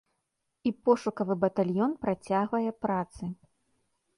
І пошукавы батальён працягвае працы.